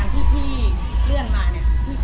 อันนี้ก็คืองานที่เลื่อนมาเนี่ย